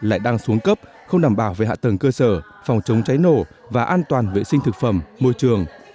lại đang xuống cấp không đảm bảo về hạ tầng cơ sở phòng chống cháy nổ và an toàn vệ sinh thực phẩm môi trường